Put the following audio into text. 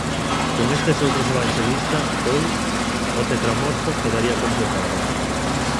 Con estes outros evanxelistas, pois, o Tetramorfos quedaría completado.